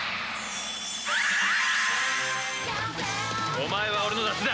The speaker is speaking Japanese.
お前は俺のダチだ！